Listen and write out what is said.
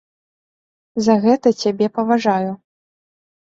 За гэта цябе паважаю.